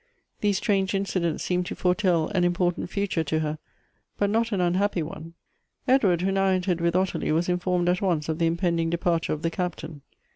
These strange incidents seemed to foretell an important future to her — but not an unhappy one. Edward, who now entered with Ottilie, was informed at once of the impending departure of the Captain.